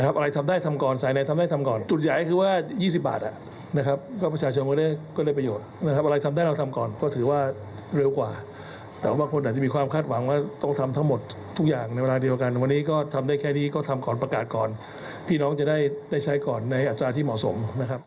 พี่น้องจะได้ใช้ก่อนในอัตราที่เหมาะสมนะครับ